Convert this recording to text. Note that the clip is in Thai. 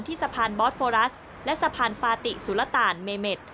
สะพานบอสโฟรัสและสะพานฟาติสุรตาลเม็ด